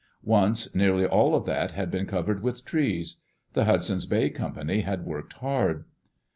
Once nearly all of that had been covered with trees* The Hudson's Bay Company had worked hard.